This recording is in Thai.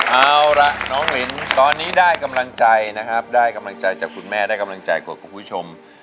เอาล่ะน้องลินตอนนี้ได้กำลังใจนะครับได้กำลังใจจากคุณแม่ได้กำลังใจกว่าคุณผู้ชม